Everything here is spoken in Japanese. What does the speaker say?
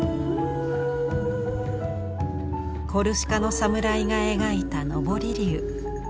コルシカのサムライが描いた昇り龍。